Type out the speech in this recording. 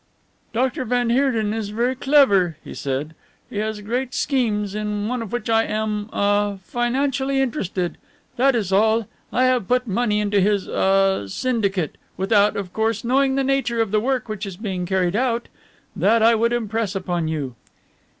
"Doctor van Heerden is very clever," he said; "he has great schemes, in one of which I am ah financially interested. That is all I have put money into his ah syndicate, without, of course, knowing the nature of the work which is being carried out. That I would impress upon you."